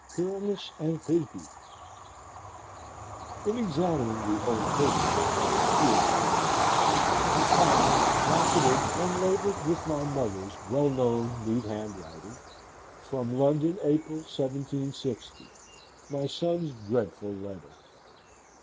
Pyramus and Thisbe In examining the old papers at home, years afterwards, I found, docketed and labelled with my mother's well known neat handwriting, "From London, April, 1760. My son's dreadful letter."